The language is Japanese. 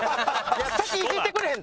先イジってくれへんの？